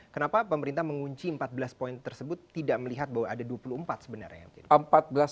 kenapa pemerintah mengunci empat belas poin tersebut tidak melihat bahwa ada dua puluh empat sebenarnya